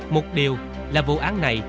một điều là vụ án này